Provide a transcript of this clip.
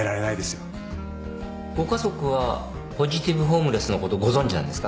ご家族はポジティブホームレスのことご存じなんですか？